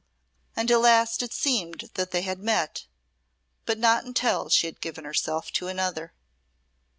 And at last it seemed that they had met, but not until she had given herself to another.